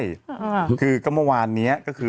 ก็คือกลับมาวานนี้คือก็คือ